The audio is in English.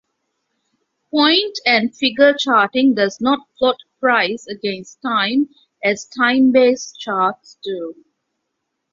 Point and figure charting does not plot price against time as time-based charts do.